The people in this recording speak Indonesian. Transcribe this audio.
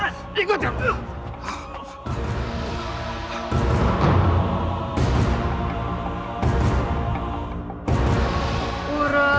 dan tidak menjadi buruk